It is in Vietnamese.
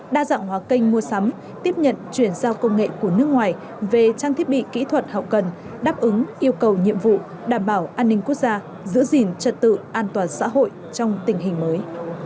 đa dạng hóa kênh mua sắm tiếp nhận chuyển giao công nghệ của nước ngoài về trang thiết bị kỹ thuật hậu cần đáp ứng yêu cầu nhiệm vụ đảm bảo an ninh quốc gia giữ gìn trật tự an toàn xã hội trong tình hình mới